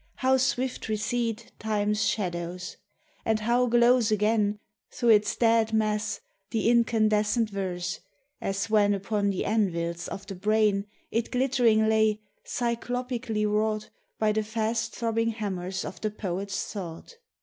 how swift recede Time's shadows! and how glows again Through its dead mass the incandescent verse, As when upon the anvils of the brain 298 POEMU OF ITO ME. It glittering lay, cydopically wrought By the fast throbbing haininers of the poet's thought